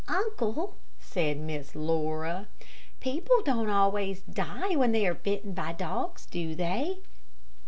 "Uncle," said Miss Laura, "people don't always die when they are bitten by dogs, do they?"